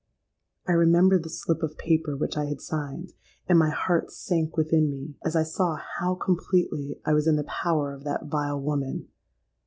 '—I remembered the slip of paper which I had signed; and my heart sank within me, as I saw how completely I was in the power of that vile woman.